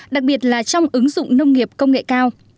đặc biệt là trong ứng dụng nông nghiệp công nghệ cao